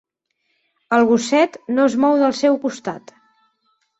El gosset no es mou del seu costat.